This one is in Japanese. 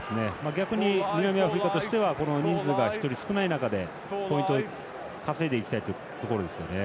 逆に南アフリカとしては人数が１人少ない中でポイント稼いでいきたいところですよね。